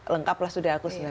lengkaplah sudah aku